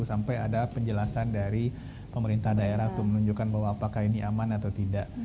sampai ada penjelasan dari pemerintah daerah untuk menunjukkan bahwa apakah ini aman atau tidak